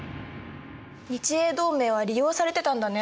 日英同盟は利用されてたんだね。